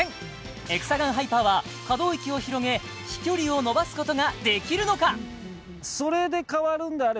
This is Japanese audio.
エクサガンハイパーは可動域を広げ飛距離を伸ばすことができるのか